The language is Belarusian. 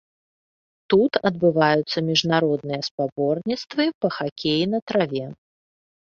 Тут адбываюцца міжнародныя спаборніцтвы па хакеі на траве.